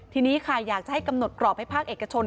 ทีนี้ค่ะอยากจะให้กำหนดกรอบให้ภาคเอกชน